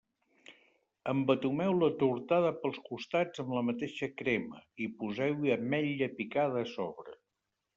Embetumeu la tortada pels costats amb la mateixa crema i poseu-hi ametlla picada a sobre.